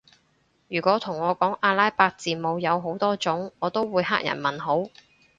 如果同我講阿拉伯字母有好多種我都會黑人問號